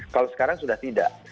kalau sekarang sudah tidak